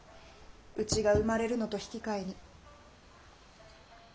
うちが産まれるのと引き換えに。